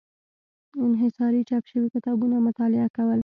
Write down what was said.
انحصاري چاپ شوي کتابونه مطالعه کول.